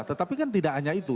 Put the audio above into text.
tetapi kan tidak hanya itu